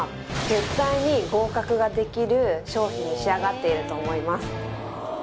絶対に合格ができる商品に仕上がっていると思います